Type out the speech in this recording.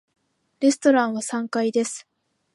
レストランは三階です。